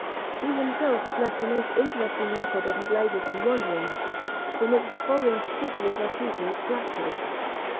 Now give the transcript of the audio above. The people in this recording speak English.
He himself has left a most interesting record of his labours and wanderings, from which the following particulars are chiefly extracted.